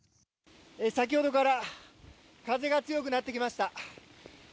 先ほどから風が強くなってきました。